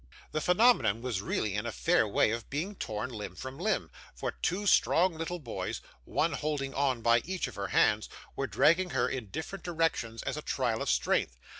The phenomenon was really in a fair way of being torn limb from limb; for two strong little boys, one holding on by each of her hands, were dragging her in different directions as a trial of strength.